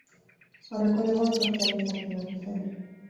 Aurreko neguan zortzi aldiz aktibatu zen.